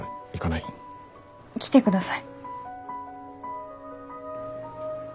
助けてください。